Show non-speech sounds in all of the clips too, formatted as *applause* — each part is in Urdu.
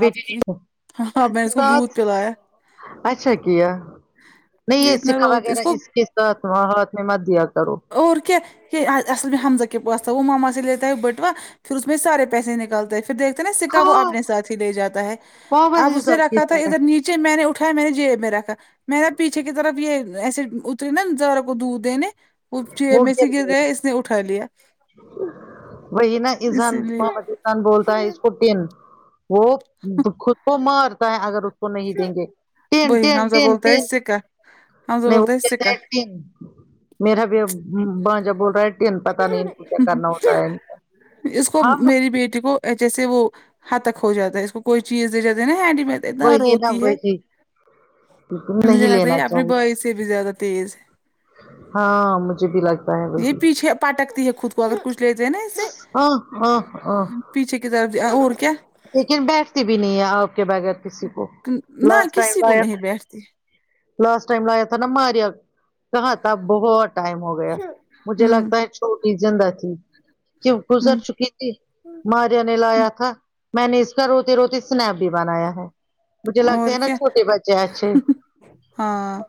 بی آپ ٹی کی لکھو ہاں میں نے اس کو سات دودھ پلایا اچھا کیا نہیں یہ اتنا سکا رو وغیرہ کو اس کے ساتھ وہ ہاتھ میں مت دیا کرو اور کیا یہ اس اصل بھی حمزہ کے پاس تھا وہ ماما سے لیتا ہے بٹوا پھر اس میں سارے پیسے نکلتے پھر دیکھتے نا سکا وہ ہاں اپنے ساتھ ہی لے جاتا ہے محمد اب اس نے اذہان کی رکھا تھا طرح ادھر نیچے پیچے میں نے اٹھایا میں نے جیب میں رکھا مہینے پیچھے کی طرف یہ ایسے نا زارا کو دودھ دےنے وہ جب میں سے گر گیا اس نے اٹھا لیا وہی نا اسان اسی لیے محمد اسان بولتا ہے اس کو ٹین وہ خود کو مارتا ہے اگر اس کو نہیں دیں گے ین ین ین اب بولتے سکا تین میرا بھی اب بھانجا بول رہا ہے ٹن پتا نہیں ان کو کیا کرنا ہوتا ہے اس کو ہم میری بیٹی کو جیسے وہ ہتک ہو جاتا ہے اس کوئی چیز دے جاتی ہے نا ہینڈی میڈ اتنا وہی نا روتی ہے وہی نہیں مجھے لگتا ہے لینا یہ اپنے چاہیے بائی سے بھی زیادہ تیز ہے ہاں مجھے بھی لگتا ہے وہی پیچھے پٹکتی ہے خود کو اگر کچھ لیتے ہیں نا اسے ہاں ہاں ہاں پیچھے ک طرف دیا اور کیا لیکن بیٹھتی بھی نہیں ہے آپ کے بغیر کسی کو نہ لاسٹ ٹائم کسی کو لایا نہیں بیٹھتی لاسٹ ٹائم لایا تھا نا مار کہاں تھا بہت ٹائم ہو گیا مجھے ہوں لگتا ہے چھوٹی زندہ تھی کیوں گزر ہوں چکی تھی ماریا نے لایا تھا میں نے اس کا روتی روتی سنپ بھی بنایا ہے مجھے اور لگتے ہے نا کیا چھوٹے بچے اچھے ہاں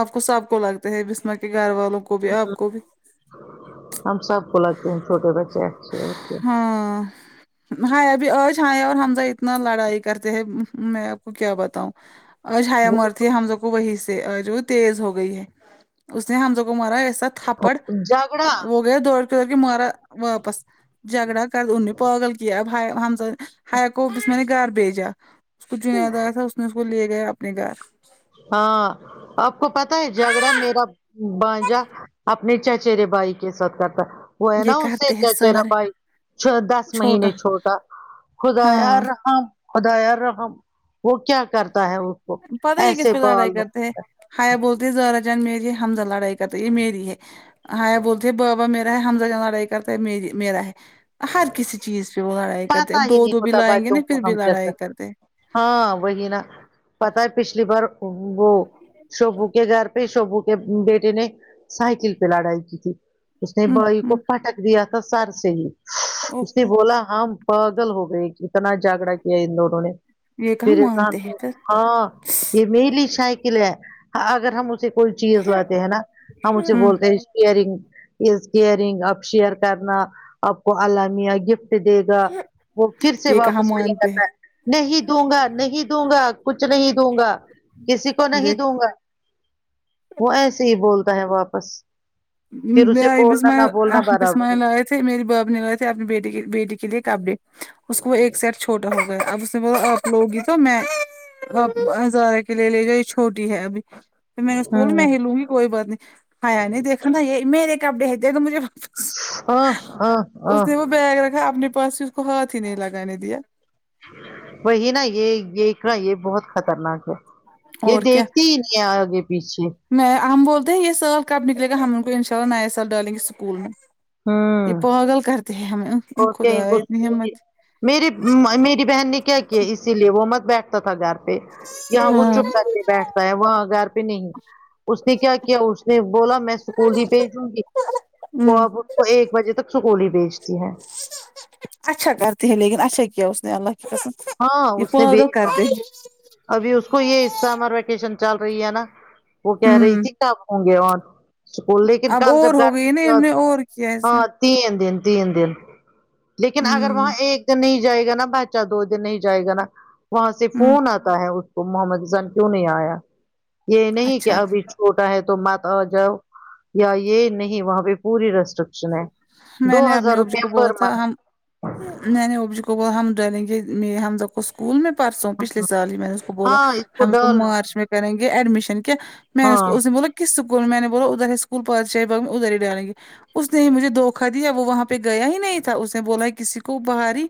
آپ کو سب کو لگتا ہے بسما کے گھر والوں کو بھی آپ کو بھی ہم سب کو لگتے ہیں چھوٹے بچے اچھے ہاں ابھی آج حیا اور ہمزہ اتنا لڑائی کرتے ہیں میں آپ کو کیا بتاؤں اج حیا مارتی ہے ہم لوگ کو وہی سے جو تیز ہو گئی ہے اس نے ہم لوگ کو مارا ایسا تھاپڑ ہیں۔ جھگڑا و گیا دوڑ کہ مارا واپس جھگڑا کر ان نے پاگل کیابائی ہممزا حیا کو بسما نے گھر بھیجا اس کو چنےیاد آیا تھا اس نے اس کو لے گیا اپنے گھر ہاں آپ کو پتا ہے جھگڑا میرا بانجا اپنے چچرے بھائی کے ساتھ کرتا وہ ہے یہ نا اس سے کرتے ہیں چچرا سارے بھائی جو دس مہینے چھوٹا خدایا ہاں رحم خدایا رحم وہ کیا کرتا ہے اس کو پتہ ہے یہ کس ایسے پر لڑائی بال کرتے ہیں ہائے بولتے ہیں زرا جان میرے حمزہ لڑائی کرتا یہ میری ہے ہاے بولتے بابا میرا حمزہ لڑائی کرتا ہے مری میرا ہے ہر کسی ہر چیز پہ وہ لڑائی کرتے پتا اب ہی دو نہیں دو بھی ہوتا لائیں گے بچوں نا کو پھر بھی ہم کیسے لڑائی کرتے ہاں وہی نا پتا ہے پچھلی بار وہ شبھو کے گھر پہ شبھو کے بیٹے نے سائیکل پہ لڑائی کی تھی اس نے ہمم بھائی کو ہمم پٹک دیا تھا سر سے ہی اس نے اوہو بولا ہم پاگل ہوگئی کیا اتنا جھگڑا کیا ان دونوں نے یہ کہاں پھر اتنا مانتے ہیں پھر ہاں یہ میری سائیکل ہے اگر ہم اسے کوئی چیز لاتے ہیں نا ہم اسے بولتے یہ ہیں ایرنگ از کیئرنگ اب شیئر کرنا آپ کو االلہ میاں گفٹ دے گا وہ پھر سے کہاں واپس وہی مانتے ہیں کرتا ہے نہیں دوں گا نہیں دوں گا کچھ نہیں دوں گا کسی کو نہیں دیکھ دوں گا وہ ایسے ہی بولتا ہے واپس پھر اسے میں بولنا نہ بولنا اسماعیل برابر اسماعیل آئے تھے میری باپ نے لائے تھے اپنی بیتی بیٹی کے لیے کپڑے اس کو وہ ایک سیٹ چھوٹا ہوگیا اب اس نے بولا اب لوگی تو میں آپ ہزارہ کے لیے لے جائے یہ چھوٹی ہے ابھی پھر میں نے اس کو بولا میں ہوں ہی لوں گی کوئی بات نہیں حیا دیکھنا یہ میرے کپڑے ہیں دے دو مجھے واپس ہاں ہاں ہاں اس نے وہ بیگ رکھا اپنے پاس ہی اس کو ہاتھ ہی نہیں لگانے دیا وہی نا یہ یہ اقرا یہ بہت خطرناک ہے یہ اور کیا دیکھتی ہی نہیں ہے آگے پیچھے میں ہم بولتے ہیں یہ سال کب نکلے گا ہم ان کو ان شاء اللہ نیا سال ڈالیں گے اسکول میں یہ ہوں پاگل کرتے ہیں ہمیں اور کہیں خدایا اتنی ہمت *unintelligible* میری م میری بہن نے کیا کیا اسی لیے وہ مت بیٹھتا تھا گھر پہ یہاں وہ ہاں چپ کر کے بیٹھتا ہے وہاں گھر پہ نہیں اس نے کیا کیا اس نے بولا میں اسکول ہی بھیجوں گی وہ ہمم اب وہ ایک بجے تک ا سکول ہی بھیجتی ہیں اچھا کرتی ہے لیکن اچھا کیا اس نے اللہ کی قسم ہاں یہ اس نے پاگل بھیجا کرتے ہیں ابھی اس کو یہ سمر ویکیشن چل رہی ہے نا وہ کہہ رہی ہمم تھی کب ہوں گے اون اسکول لیکن اب کل اور جب ہو گئی نا *unintelligible* نے اور کیا اس ہاں میں تین دن تین دن لیکن اگر ہمم وہاں ایک دن نہیں جائے گا نا بچہ دو دن نہیں جائے گا نا وہاں سے ہمم فون آتا ہے اس کو محمد حسان کیوں نہیں آیا یہ نہیں کہ اچھا ابھی چھوٹا ہے تو مت آ جاؤ یا یہ نہیں وہاں پہ پوری رسٹرکشن ہے میں دو نے اپنے ہزار ابو جی روپیہ کو بولا پر تھا منتھ ہم میں نے ابو جی کو بولا ہم ڈالیں گے میرے ہمزہ کو اسکول میں پرسوں پچھلے سال ہی میں نے اس کو بولا ہم اس کو مارچ میں کریں گے ایڈمشن کیا میں نے اس ہاں اس نے بولا کس اسکول میں نے بولا ادھر اسکول پادشاہی باغ میں ادھر ہی ڈالیں گے اس نے ہی مجھے دھوکا دیا وہاں پہ گیا ہی نہیں تھا اس نے بولا کسی کو بباہر ہی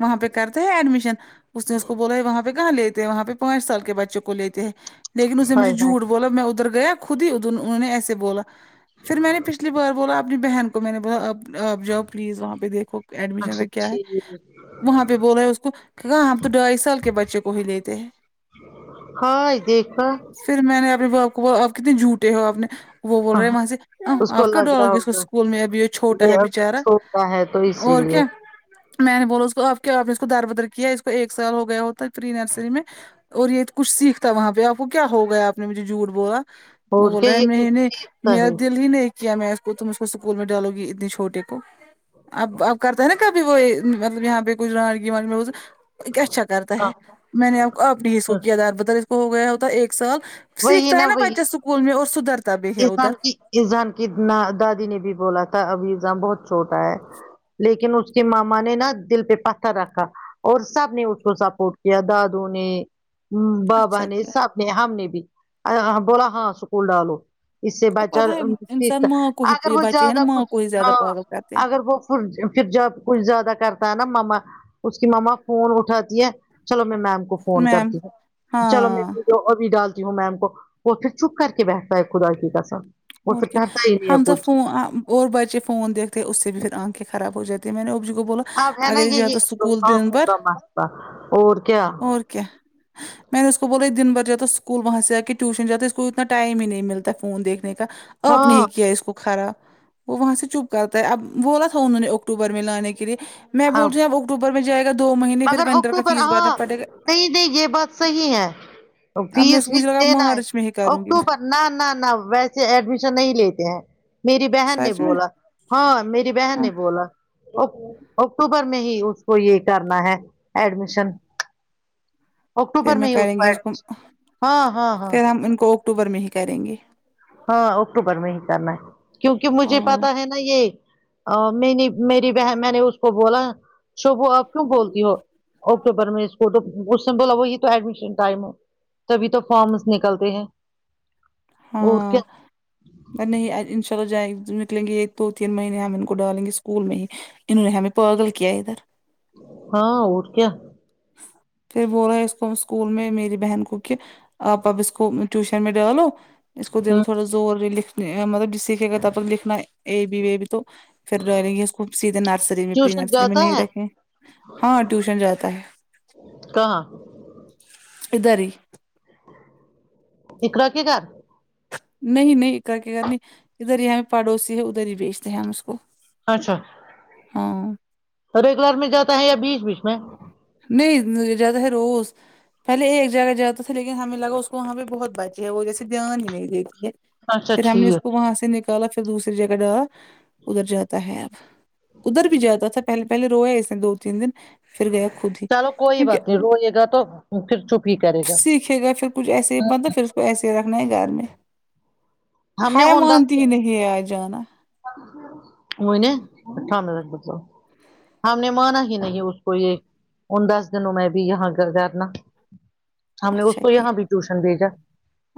وہاں پہ کرتے ہیں ایڈمیشن اس نے اس کو بولا وہاں پہ کہاں لیتے ہیں وہاں پہ پانچ سال کے بچوں کو لیتے ہیں لیکن اس نے مجھے ہائے ہائے جھوٹ بولا میں ادھر گیا خود ہی ادھر انہوں نے ایسے بولا پھر میں نے پچھلی بار بولا اپنی بہن کو میں نے بولا اب آپ جاؤ پلیز وہاں پہ دیکھو ایڈمیشن کا اچھا کیا ہے ٹھیک وہاں پہ بول رہے اس کو کہ کہا ہم تو ڈھائی سال کے بچے کو ہی لیتے ہیں ہاں دیکھا پھر میں نے اپنے باپ کو ب آپ کتنے جھوٹے ہو آ نے وہ بول ہاں رہے وہاں سے اس کو آپ کا لگ رہا ڈالاس کو ہوگا اسکول میں ابھی یہ چھوٹا ہے ابھی بیچارا چھوٹا ہے تو اسی اور لیے کیا میں نے بولا اس کو آپ کیا آپ اس کو در بدر کیا اس کو ایک سال ہو گیا ہوتا ہے پھر نرسری میں اور یہ کچھ سیکھتا وہاں پہ آپ کو کیا ہو گیا آپ نے مجھے جھوٹ بولا اور بول کیا رہے ہیں یہ کچھ نہیں نہیں سیکھتا میرا ہے دل ہی نہیں کیا میں اس کو تم اس کو اسکول میں ڈالو گی اتنی چھوٹے کو اب اب کرتا ہے نا کب وہ مطلب یہاں پہ کچھ رانگی اچھا کرتا ہے ہاں میں نے آپ کو آپ نے ہی اس کو کیا داربدر اس کو ہو گیا ہوتا ایک سال سیکھتا ہے نا بچہ اسکول میں اور سدھرتا بھی ہے ازان ادھر کی ازان کی دادی نے بھی بولا تھا اب ازان بہت چھوٹا ہے لیکن اس کے ماما میں نے نا دل پہ پتھر رکھا اور سب نے اس کو سپورٹ کیا دادو نے بابا اچھا نے کیا سب نے ہم نے بھی بولا ہاں اسکول ڈالو اس سے اور بچا پتہ ہے انسان ماں کو ہی اگر یہ وہ بچے ہیں نا زیادہ ماں کچھ کو ہی زیادہ ہاں پاگل کرتے ہیں اگر وہ پھر جب کچھ زیادہ کرتا ہے نا ما اس کی ماما فون اٹھاتی ہے چلو میں میم کو فون میم کرتی ہوں چلو ہاں ابھی ڈالتی ہوں میم کو وہ پھر چھپ کر کے بیٹھتا ہے خدا کی کسر اور کیا ہمزہ ف اور بچے فون دیکتے اس سے بھی پھر آنکھیں خراب ہو جاتی ہے میں نے ابو جی کو بولا اب ہے نا اگر یہ یہی جاتا اسکول دن آنکھوں بھر کا مسئلہ اور کیا اور کیا میں نے اس کو بولا دن بھر جا اسکول وہاں سے آ کے ٹیوشن جاتا ہے اس کو اتنا ٹائم ہی نہیں ملتا فون دیکھنے کا آپ نے ہاں کیا اس کو کھارا وہ وہاں سے چپ کرتا ہے اب بولا تھا انہوں نے اکٹوبر میں لانے کے لیے میں بول رہی اب اکٹوبر میں جائے گا دو مہینے پھر مگر ونٹر کا اکتوبر فیس بھرنا ہاں پڑے گا نہیں نہیں یہ بات صحیح ہے اب میں فیس اس کو ویس مجھے لگا اب دینا ہے مارچ میں ہی کروں گی اکٹوبر نہ نہ نہ ویسے ایڈمیشن نہیں لیتے ہیں میری بہن نے سچ میں بولا ہاں میری بہن ہاں نے بولا اکٹوبر میں ہی اس کو یہ کرنا ہے ایڈمیشن پھر اکٹوبر میں ہی اس کریں کا گے کو ایڈمیشن ہاں ہاں ہاں اکٹوبر میں ہی کریں گے ہاں اکٹوبر میں ہی کرنا ہے کیونکہ مجھے ہاں پتا ہے نا یہ میں نے میری بہن میں نے اس کو بولا وہ آپ کیوں بولتی ہو اکٹوبر میں اس کو تو اس نے بولا وہ یہ تو ایڈمیشن ٹائم ہو تبھی تو فارمس نکلتے ہیں اور کیا نہیں ان شاء اللہ جائے نکلیں گے یہ دو تین مہینے ہم ان کو ڈالیں گے اسکول میں ہی انہوں نے ہے ہمیں پاگل کیا ادھر ہاں اور کیا پھر بول رہے اس کو اسکول میں میری بہن کو کہ آپ اب اس کو ٹیوشن میں ڈالو اس کو دے ہ دو تھوڑا زور لکھ مطلب جسے کہ اگر تب لکھنا اے بی اے بی تو پھر ڈرے گی وہ سیدھے نرسری میں پری ٹیوشن نرسری میں جاتا نہیں ہے رکھے ہاں ٹیوشن جاتا ہے کہاں ادھر ہی اقرا کے گھر نہیں نہیں اقرا کے گھر نہیں ادھر ہی ہے ہمارے پڑوسی ہے ادھر ہی بیھچتے ہیں ہم اس کو اچھا ہاں ارے گھر میں جاتا ہے یا بیچ بیچ میں نہیں جاتا ہے روز پہلے ایک جگہ جاتا تھا لیکن ہمیں لگا اس کو وہاں پہ بہت بچے ہے وہ جیسے دھیان ہی نہیں دیتی ہے اچھا پھر ہم نے اس ٹھیک کو وہاں سے نکالا پھر دوسری جگہ ڈالا ادھر جاتا ہے ادھر بھی جاتا تھا پہلے پہلے روئے اس نے دو تین دن پھر گیا خود چلو کوئی کیونکہ بات نہیں روئے گا تو پھر چپ ہی کرے گا سیکھے گا پھر کچھ ایسے مطلب پھر اس کو ایسے ہی رکھنا ہے گھر میں ہے ہم ہیا مانتی ہی نہیں ہے آ جانا *unintelligible* ہم نے مانا ہی نہیں اس کو یہ ان دس دنوں میں بھی یہاں کرنا ہم نے اس اچھا کو یہاں کیا بھی ٹیوشن بھیجا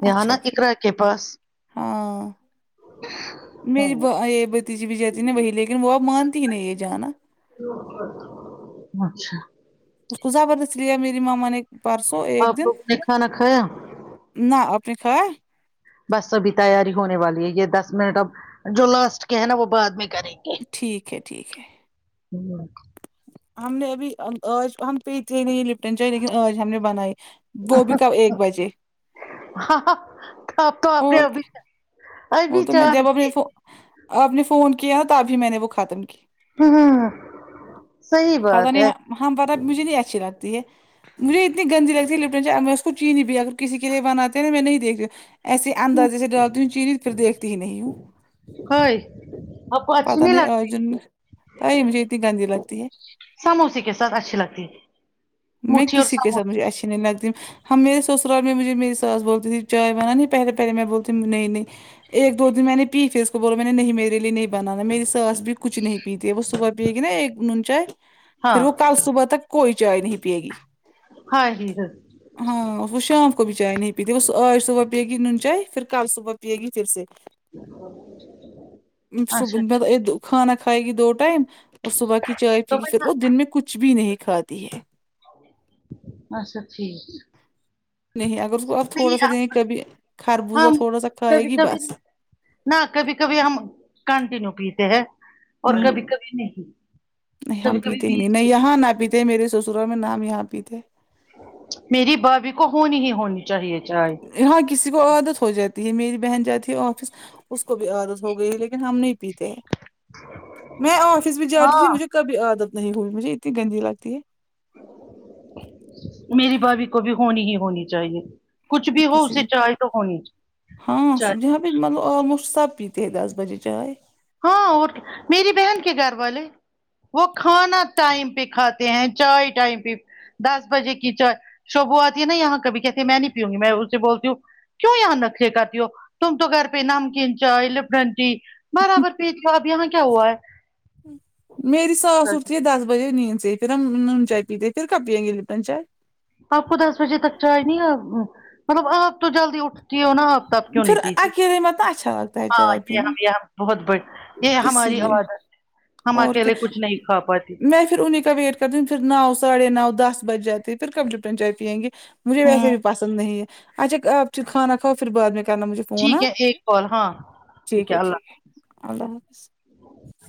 یہاں نا اچھا کیا اقرا کے پاس ہاں میری با یہ بھت بھتجی بھی جاتی نا وہی لیکن وہ اب مانتی ہی نہیں ہے جانا اچھا اس کو زبردستی لیا میری مما نے پرسوں ایک آپ دن لوگوں نے کھانا کھایا نہ آپ نے کھایا بس ابھی تیاری ہونے والی ہے یہ دس منٹ اب جو لاسٹ کے ہے نا وہ بعد میں کریں گے ٹھیک ہے ٹھیک ہے *unintelligible* ہم نے ابھی اب آج ہم پیتے ہی نہیں لپٹن چائے لیکن آج ہم نے بنائی وہ بھی کب ایک بجے ہاں ہاں اب تو آپ نے اور ابھی کیا وہ ابھی تو میں چار جب اب نے آپ نے فون کیا تبھی میں نے وہ ختم کی ہاں ہاں ہاں صحیح بات ہے نہیں ہاں پتا مجھے نہیں اچھی لگتی ہے مجھے اتنی گندی لگتی ہے لپٹن چائے میں اس کو چینی بی اگر کسی کے لیے بناتے ہیں ن میں نہیں دیکھتی ایسے اندازے سے ڈالتی ہوں چینی پھر دیکھتی ہی نہیں ہوں کھائے پتہ نہیں آج انھیں تو ائی مجھے اتنی گندی لگتی ہے سموسے کے ساتھ اچھی لگتی ہے میں مٹھی اور کسی کے ساتھ سموسے مجھے اچھی نہیں لگتی ہم میرے سسرال مںجھے میری ساس بولتی تھی چائے بنانے پہلے پہلے میں بولتی نہیں نہیں ایک دو دن میں نے پی پھر اس کو بولا میں نے نہیں میرے لئیے نہیں بنانا میری ساس بھی کچھ نہیں پیتی ہے وہ صبح پیے گی نا ایک نون چائے ہاں پھر وہ کل صبح تک کوئی چائے نہیں پیے گی ہاں جی سر ہاں وہ شام کو بھی چائے نہیں پیتی وہ آج صبح پیے گی نون چائے پھر کل صبح پیے گی پھر سے صبح اچھا مطلب ٹھیک یہ دو- کھانا کھائے گی دو ٹائم اور صبح کی چائے پی تو گی پھر نا وہ دن میں کچھ بھی نہیں کھاتی ہے اچھا ٹھیک نہیں اگر اس کو آپ تھوڑا نہیں سا دیں آپ- کبھی خربوزا ہم تھوڑا سا کھائے کبھی گی کبھی بس نہ کبھی کبھی ہم کنٹینیو پیتے ہیں اور ہوں کبھی کبھی نہیں کبھی کبھی بیچ بھی ہاں نہ پینا تھے میرے سسرال میں نام یہاں پہ تھے میری بھابھی کو ہونی ہی ہونی چاہیے چائے ہاں کسی کو عادت ہو جاتی ہے میری بہن جاتی ہے آفس اس کو بھی عادت ہو گئی ہے لیکن ہم نہیں پیتے ہیں میں آفس بھی جاتی تھی ہاں مجھے کبھی عادت نہیں ہوئی مجھے اتنی گندی لگتی ہے میری بھابھی کو بھی ہونی ہی ہونی چاہیے کچھ بھی ہو کسی اسے چاہے تو ہونی چاہیے نہیں مطلب ہم لوگ سب پیتے ہے دس بجے چائے ہاں اور میری بہن کے گھر والے وہ کھانا ٹائم پہ کھاتے ہیں چائے ٹائم پہ دس بجے کی چائے شببو آتی ہے نا یہاں کبھی کہتے ہیں میں نہیں پیوںگی میں اسے بولتی ہوں کیوں یہاں نخرے کرتی ہو تم تو گھر پہ نمکین چائے لپٹن ٹی برابر پیتی ہو اب یہاں کیا ہوا ہے میری ساس اٹتی ہے دس بجے نیند سے پھر ہم نون چائے پیتے پھر کب پیئیں گے لیٹن چائے آپ کو دس بجے تک چائے نہیں مطلب آپ تو جلدی اٹھتی ہو نا آپ تب کیوں پھر نہیں پیتی اکیلے مت اچھا لگتا ہے ہاں چائے یہ پینا ہم یہ ہم بہت بڑ یہ اسی ہماری لیے عادت ہم اور کیا اکیلے کچھ نہیں کھا پاتی میں پھر انہی کا ویٹ کے دن پھر نو ساڑھے نو دس بجے آتی ہے پھر کب لپٹن چائے پئیں گی مجھے ویسے ہوں بھی پسند نہیں ہے اچھا آپ کھانا کھاؤ پھر بعد میں کرنا مجھے فون ٹھیک ہاں ہے ایک کال ہاں ٹھیک ہے ٹھیک ہے اللہ حافظ